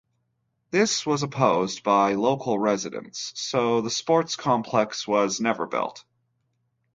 This was opposed by local residents so the sports complex was never built.